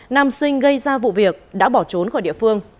nam sinh gây ra vụ việc đã bỏ trốn khỏi địa phương